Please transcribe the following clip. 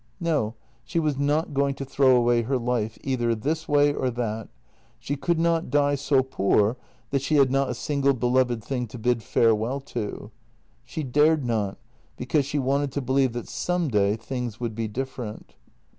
No, she was not going to throw away her life either this way or that; she could not die so poor that she had not a single beloved thing to bid farewell to. She dared not, because she wanted to believe that some day things would be different.